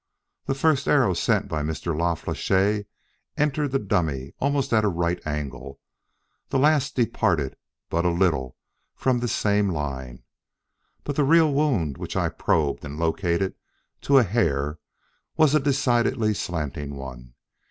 The first arrow sent by Mr. La Flèche entered the dummy almost at a right angle; the last departed but a little from this same line. But the real wound which I probed and located to a hair was a decidedly slanting one.